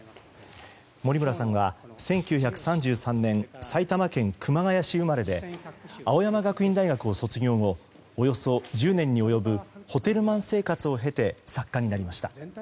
森村さんは１９３３年埼玉県熊谷市生まれで青山学院大学を卒業後およそ１０年に及ぶホテルマン生活を経て作家になりました。